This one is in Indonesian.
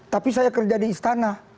tapi saya kerja di istana